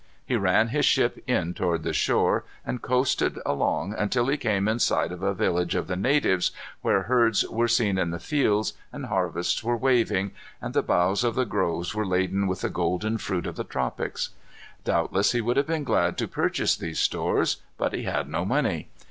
He ran his ship in toward the shore, and coasted along until he came in sight of a village of the natives, where herds were seen in the fields, and harvests were waving, and the boughs of the groves were laden with the golden fruit of the tropics. Doubtless he would have been glad to purchase these stores. But he had no money.